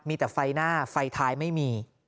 มีแต่ไฟหน้าไฟท้ายไม่มี